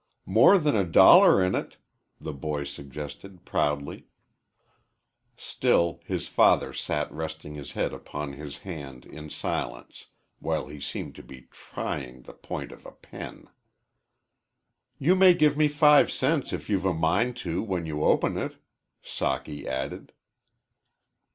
"More than a dollar in it," the boy suggested, proudly. Still his father sat resting his head upon his hand in silence while he seemed to be trying the point of a pen. "You may give me five cents if you've a mind to when you open it," Socky added.